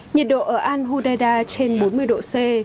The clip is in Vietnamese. nhiệt độ ở al hodeida trên bốn mươi độ c